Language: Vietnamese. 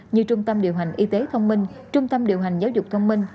như trung tâm điều hành y tế thông minh trung tâm điều hành giáo dục thông minh